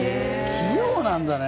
器用なんだね。